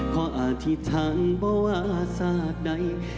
ขออธิษฐานเบาอาสาทใด